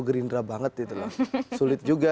gerindra banget gitu loh sulit juga